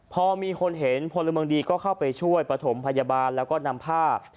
พอมีคนเห็นพลเมืองดีก็เข้าไปช่วยประถมพยาบาลแล้วก็นำผ้า